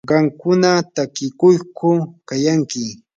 ¿qamkuna takiykuqku kayanki?